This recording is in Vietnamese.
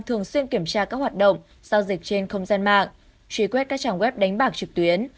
thường xuyên kiểm tra các hoạt động giao dịch trên không gian mạng truy quét các trang web đánh bạc trực tuyến